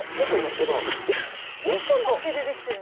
猫の毛でできてる。